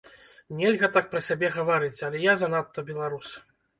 Нельга так пра сябе гаварыць, але я занадта беларус.